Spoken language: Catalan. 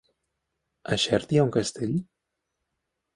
A Xert hi ha un castell?